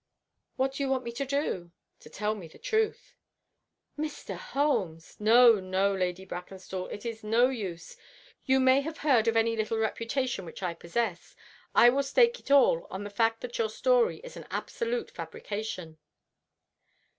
"What do you want me to do?" "To tell me the truth." "Mr. Holmes!" "No, no, Lady Brackenstall, it is no use. You may have heard of any little reputation which I possess. I will stake it all on the fact that your story is an absolute fabrication."